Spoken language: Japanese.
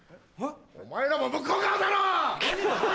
お前らも向こう側だろ！